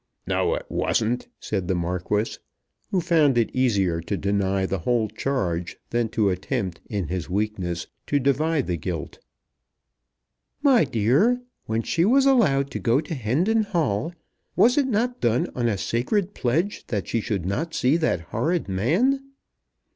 "No; it wasn't," said the Marquis, who found it easier to deny the whole charge than to attempt in his weakness to divide the guilt. "My dear! When she was allowed to go to Hendon Hall, was it not done on a sacred pledge that she should not see that horrid man?